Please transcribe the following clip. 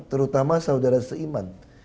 terutama saudara seiman